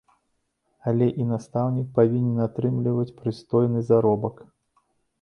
Але і настаўнік павінен атрымліваць прыстойны заробак.